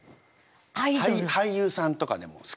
俳優さんとかでも好きな。